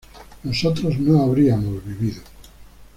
nosotros no habríamos vivido